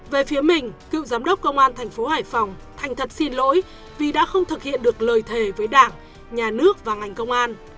về phía mình cựu giám đốc công an thành phố hải phòng thành thật xin lỗi vì đã không thực hiện được lời thề với đảng nhà nước và ngành công an